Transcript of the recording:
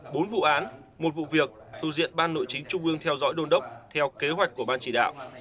bốn vụ án một vụ việc thuộc diện ban nội chính trung ương theo dõi đôn đốc theo kế hoạch của ban chỉ đạo